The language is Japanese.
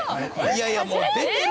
いやいやもう出てる！